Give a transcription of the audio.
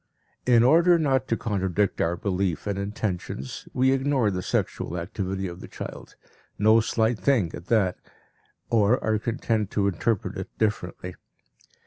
In order not to contradict our belief and intentions, we ignore the sexual activity of the child no slight thing, at that or are content to interpret it differently.